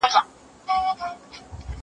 دا ځواب له هغه روښانه دی!؟